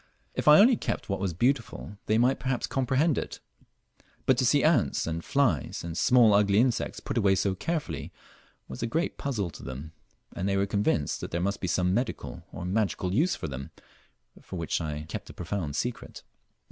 If I only kept what was beautiful, they might perhaps comprehend it; but to see ants and files and small ugly insects put away so carefully was a great puzzle to them, and they were convinced that there must be some medical or magical use for them which I kept a profound secret.